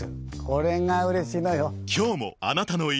これがうれしいのよ。